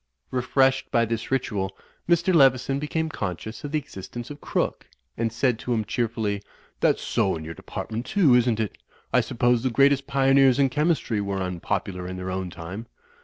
Refreshed by this ritual, Mr. Leveson became con scious of the existence of Crooke, and said to him, cheerfully, "That's so in your department, too, isn't it? I suppose the greatest pioneers in chemistry were un popular in their own time."